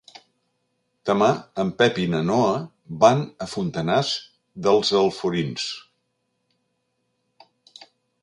Demà en Pep i na Noa van a Fontanars dels Alforins.